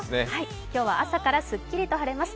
今日は朝からすっきりと晴れます。